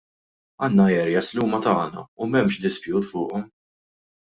Għandna areas li huma tagħna u m'hemmx dispute fuqhom!